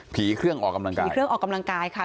เครื่องออกกำลังกายผีเครื่องออกกำลังกายค่ะ